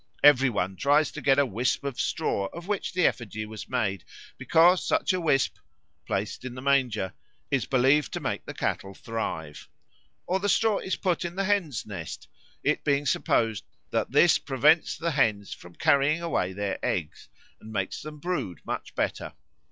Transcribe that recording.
Every one tries to get a wisp of the straw of which the effigy was made, because such a wisp, placed in the manger, is believed to make the cattle thrive. Or the straw is put in the hens' nest, it being supposed that this prevents the hens from carrying away their eggs, and makes them brood much better.